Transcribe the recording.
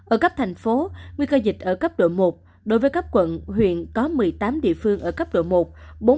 ở cấp thành phố nguy cơ dịch ở cấp độ một đối với cấp quận huyện có một mươi tám địa phương ở cấp độ một